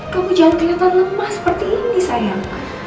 kamu jangan kelihatan lemah seperti ini sayang